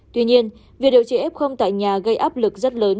tuy nhiên việc điều trị f tại nhà gây áp lực rất lớn